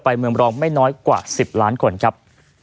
เมืองรองไม่น้อยกว่า๑๐ล้านคนครับ